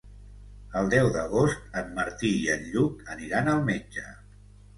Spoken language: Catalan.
El deu d'agost en Martí i en Lluc aniran al metge.